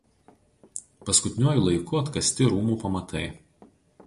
Paskutiniuoju laiku atkasti rūmų pamatai.